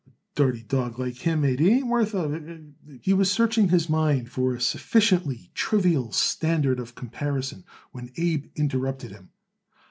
A dirty dawg like him, Abe, ain't worth a a " He was searching his mind for a sufficiently trivial standard of comparison when Abe interrupted him.